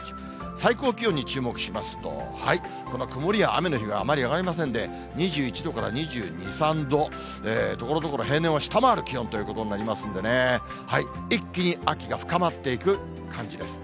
最高気温に注目しますと、この曇りや雨の日があまり上がりませんで、２１度から２２、３度。ところどころ平年を下回る気温ということになりますんでね、一気に秋が深まっていく感じです。